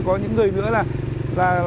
có những người nữa là